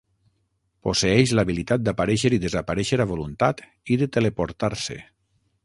Posseeix l'habilitat d'aparèixer i desaparèixer a voluntat i de teleportar-se.